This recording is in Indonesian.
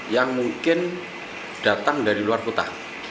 yang mungkin datang dari luar kota